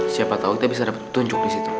siapa tau kita bisa dapet petunjuk di situ